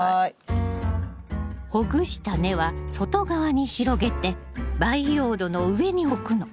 ほぐした根は外側に広げて培養土の上に置くの。